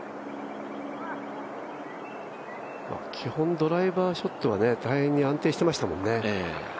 基本ドライバーショットは大変安定していましたもんね。